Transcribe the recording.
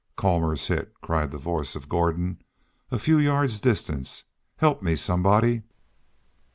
"Colmor's hit," called the voice of Gordon, a few yards distant. "Help me, somebody!"